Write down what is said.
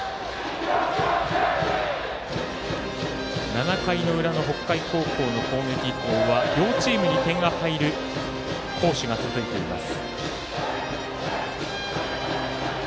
７回の裏の北海高校の攻撃以降は両チームに点が入る攻守が続いています。